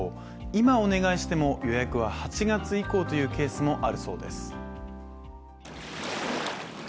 今、お願いしても予約は８月以降というケースもあるそうです。